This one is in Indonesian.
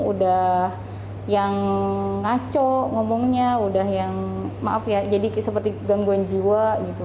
udah yang ngaco ngomongnya udah yang maaf ya jadi seperti gangguan jiwa gitu